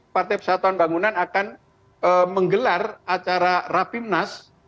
partai persatuan bangunan akan menggelar acara rapimnas